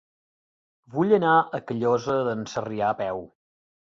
Vull anar a Callosa d'en Sarrià a peu.